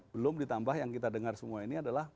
belum ditambah yang kita dengar semua ini adalah